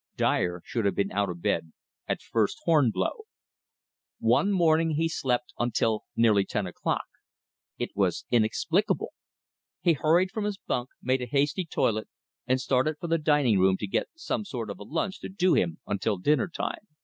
Dyer should have been out of bed at first horn blow. One morning he slept until nearly ten o'clock. It was inexplicable! He hurried from his bunk, made a hasty toilet, and started for the dining room to get some sort of a lunch to do him until dinner time.